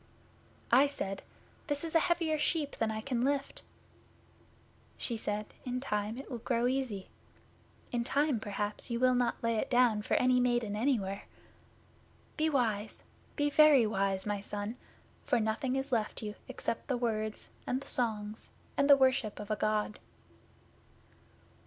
'I said, "This is a heavier sheep than I can lift." She said, "In time it will grow easy. In time perhaps you will not lay it down for any maiden anywhere. Be wise be very wise, my son, for nothing is left you except the words, and the songs, and the worship of a God."